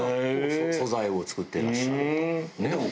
素材を作っていらっしゃると。